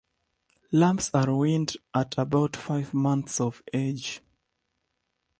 Lambs are weaned at about five months of age.